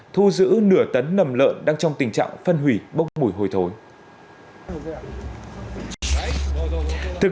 thu giữ nửa tấn nầm lợn đang trong tình trạng phân hủy bốc mùi hôi thối